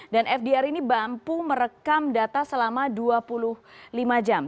dan fdr ini mampu merekam data selama dua puluh lima jam